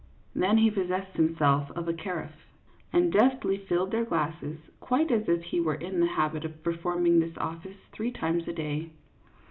Then he possessed him self of a carafe, and deftly filled their glasses, quite as if he were in the habit of performing this office three times a day.